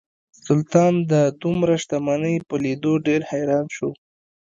سلطان د دومره شتمنۍ په لیدو ډیر حیران شو.